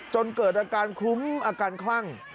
จนเกิดอาการคลุ้มอาการคลั่ง